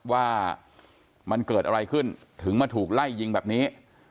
ว่ามันเกิดอะไรขึ้นถึงมาถูกไล่ยิงแบบนี้